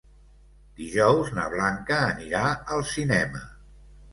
Dijous na Blanca anirà al cinema.